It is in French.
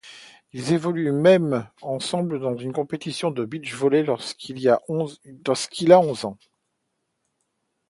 Ils évoluent même ensemble dans une compétition de beach-volley lorsqu'il a onze ans.